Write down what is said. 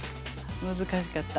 難しかった。